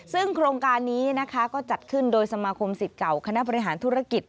ซึ่งโครงการนี้นะคะก็จัดขึ้นโดยสมาคมสิทธิ์เก่าคณะบริหารธุรกิจ